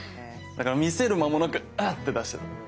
だから見せる間もなくあぁ！って出しちゃった。